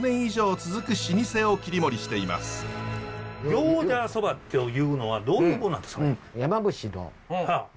行者そばっていうのはどういうもんなんですかね？